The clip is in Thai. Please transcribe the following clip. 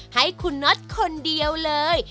ให้คุณน็อตคนเดียวเลย